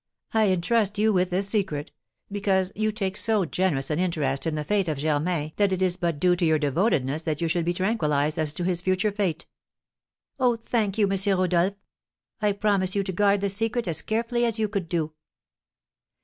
I entrust you with the secret, because you take so generous an interest in the fate of Germain that it is but due to your devotedness that you should be tranquillised as to his future fate." "Oh, thank you, M. Rodolph! I promise you to guard the secret as carefully as you could do."